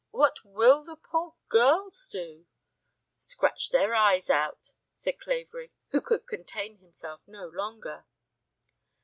What what will the poor girls do?" "Scratch their eyes out," said Clavering, who could contain himself no longer.